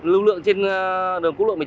lưu lượng trên đường cú lộ một mươi chín